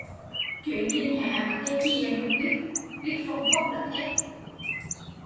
Chuyện thiên hạ mà cái chi anh cũng biết, biết phong phóc là khác